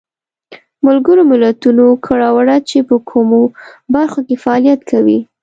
ملګرو ملتونو کړه وړه چې په کومو برخو کې فعالیت کوي.